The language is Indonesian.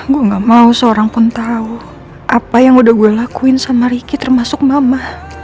gue gak mau seorang pun tahu apa yang udah gue lakuin sama ricky termasuk mama